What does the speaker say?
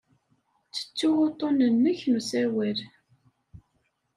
Ttettuɣ uḍḍun-nnek n usawal.